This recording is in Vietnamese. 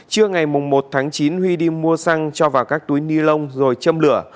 trưa ngày một tháng chín huy đi mua xăng cho vào các túi ni lông rồi châm lửa